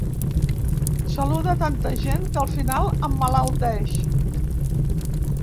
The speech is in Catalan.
Saluda tanta gent que al final emmalalteix.